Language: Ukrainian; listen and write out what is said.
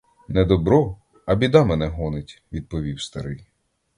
Не добро, а біда мене гонить, — відповів старий.